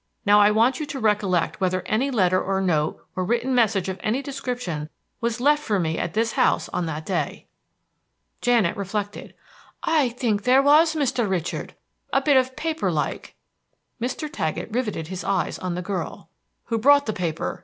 Now I want you to recollect whether any letter or note or written message of any description was left for me at this house on that day." Janet reflected. "I think there was, Mr. Richard, a bit of paper like." Mr. Taggett riveted his eyes on the girl. "Who brought the paper?"